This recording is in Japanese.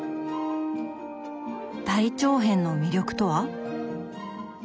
大長編の魅力とは？